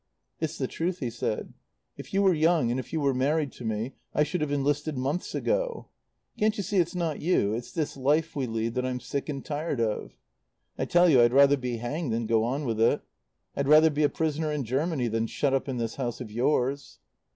"It's the truth," he said. "If you were young and if you were married to me I should have enlisted months ago. "Can't you see it's not you, it's this life we lead that I'm sick and tired of? I tell you I'd rather be hanged than go on with it. I'd rather be a prisoner in Germany than shut up in this house of yours."